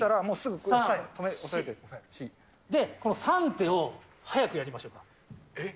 このこの３手を早くやりましょう。